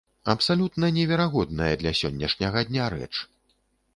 Абсалютна неверагодная для сённяшняга дня рэч.